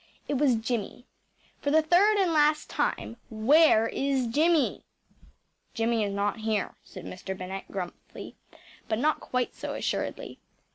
It was Jimmy. For the third and last time where is Jimmy?‚ÄĚ “Jimmy is not here,‚ÄĚ said Mr. Bennett gruffly but not quite so assuredly.